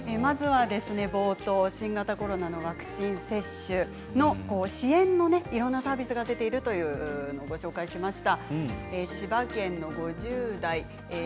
冒頭、新型コロナのワクチン接種の支援のいろんなサービスが出ているとご紹介しました。